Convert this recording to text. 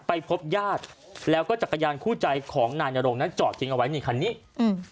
ไปพบญาติแล้วก็จักรยานคู่ใจของนายนโรงนั้นจอดทิ้งเอาไว้นี่คันนี้อืม